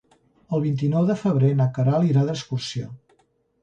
El vint-i-nou de febrer na Queralt irà d'excursió.